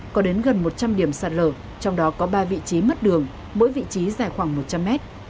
có đến gần một trăm linh điểm sạt lở trong đó có ba vị trí mất đường mỗi vị trí dài khoảng một trăm linh mét